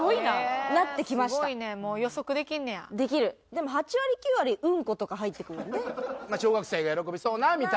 でも８割９割「うんこ」とか入ってくるんで。